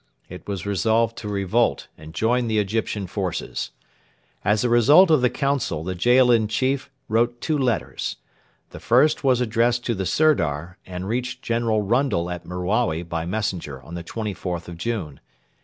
It was resolved to revolt and join the Egyptian forces. As a result of the council the Jaalin chief wrote two letters. The first was addressed to the Sirdar, and reached General Rundle at Merawi by messenger on the 24th of June.